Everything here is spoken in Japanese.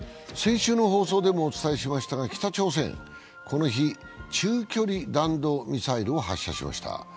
先週の放送でもお伝えしましたが、北朝鮮、この日、中距離弾道ミサイルを発射しました。